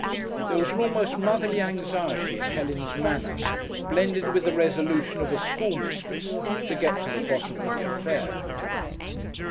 There was an almost motherly anxiety in Helen's manner, blended with the resolution of a schoolmistress to get to the bottom of the affair.